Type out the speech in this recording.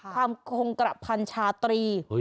ความคงกระพันชาตรี